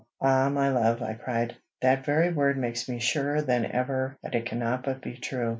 "Ah, my love!" I cried, "that very word makes me surer than ever that it cannot but be true.